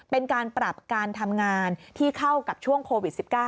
เป็นการปรับการทำงานที่เข้ากับช่วงโควิด๑๙